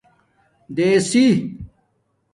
دیسِی